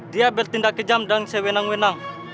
dia bertindak kejam dan sewenang wenang